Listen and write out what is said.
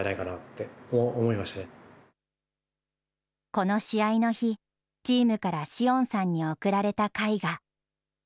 この試合の日、チームから詩音さんにおくられた絵画。